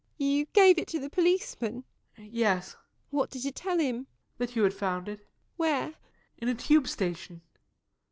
You gave it to the policeman? JOE. Yes. MARY. What did you tell him? JOE. That you had found it. MARY. Where? JOE. In a Tube Station.